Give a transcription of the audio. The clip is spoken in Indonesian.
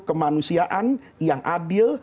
kemanusiaan yang adil